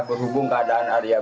berhubung keadaan arya